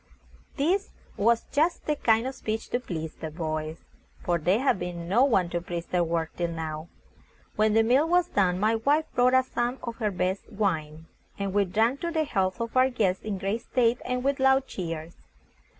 This was just the kind of speech to please the boys, for there had been no one to praise their work till now. When the meal was done, my wife brought out some of her best wine, and we drank to the health of our guest in great state, and with loud cheers.